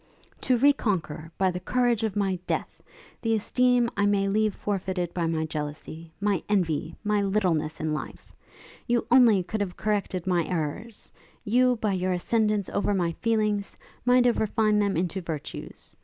'To re conquer, by the courage of my death, the esteem I may leave forfeited by my jealousy, my envy, my littleness in life! You only could have corrected my errours; you, by your ascendance over my feelings, might have refined them into virtues.